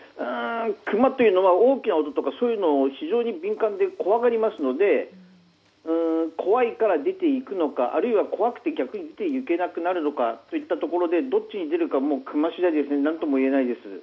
クマというのは大きな音に非常に敏感で怖がりますので怖いから出て行くのかあるいは怖くて逆に出ていけなくなるのかどっちに出るかはクマ次第で何とも言えないです。